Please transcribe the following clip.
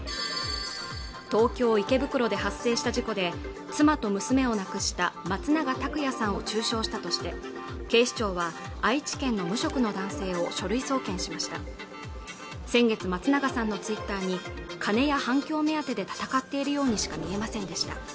東京・池袋で発生した事故で妻と娘を亡くした松永拓也さんを中傷したとして警視庁は愛知県の無職の男性を書類送検しました先月松永さんのツイッターに金や反響目当てで戦っているようにしか見えませんでした